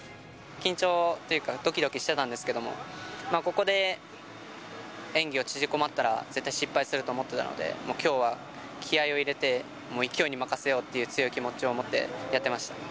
緊張というか、どきどきしてたんですけれども、ここで演技を縮こまったら絶対失敗すると思っていたので、もうきょうは気合いを入れて、もう勢いに任せようっていう強い気持ちを持ってやってました。